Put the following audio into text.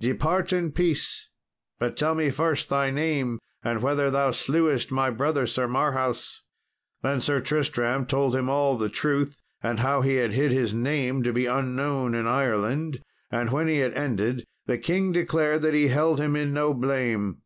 Depart in peace, but tell me first thy name, and whether thou slewest my brother, Sir Marhaus." Then Sir Tristram told him all the truth, and how he had hid his name, to be unknown in Ireland; and when he had ended, the king declared he held him in no blame.